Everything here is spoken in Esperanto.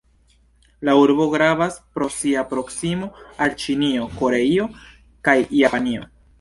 La urbo gravas pro sia proksimo al Ĉinio, Koreio kaj Japanio.